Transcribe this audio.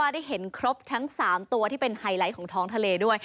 ได้๕๕๐ตัวที่เป็นไฮไลท์ของท้องทะเลด้วย